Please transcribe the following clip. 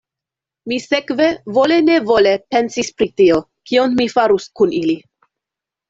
Mi sekve vole-nevole pensis pri tio, kion mi farus kun ili.